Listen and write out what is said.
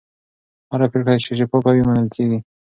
هره پرېکړه چې شفافه وي، منل کېږي.